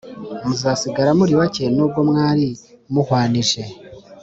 Muzasigara muri bake nubwo mwari muhwanije